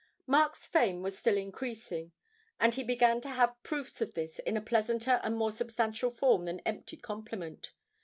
Mark's fame was still increasing, and he began to have proofs of this in a pleasanter and more substantial form than empty compliment.